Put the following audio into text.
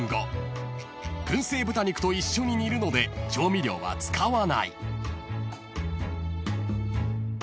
［薫製豚肉と一緒に煮るので調味料は使わない］